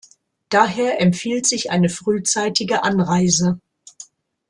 Daher empfiehlt sich eine frühzeitige Anreise.